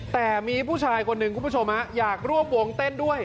แต่มีผู้ชายคนหนึ่งคุณผู้ชมอยากร่วมวงเต้นด้วย